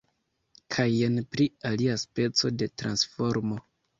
Kaj jen pri alia speco de transformo.